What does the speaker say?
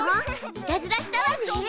いたずらしたわね。